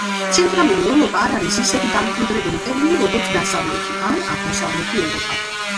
ცენტრალური ევროპა არ არის ისეთი დამკვიდრებული ტერმინი, როგორც დასავლეთი ან აღმოსავლეთი ევროპა.